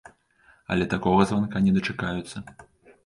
Але такога званка не дачакаюцца.